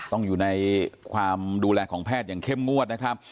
ต้องอยู่ในความดูแลของแพทย์อย่างเข้มงวดนะครับ